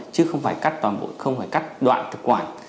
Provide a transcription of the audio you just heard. chứ không phải cắt toàn bộ không phải cắt đoạn thực quản